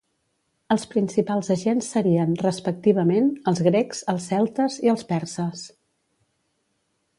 Els principals agents serien, respectivament, els grecs, els celtes i els perses.